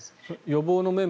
予防の面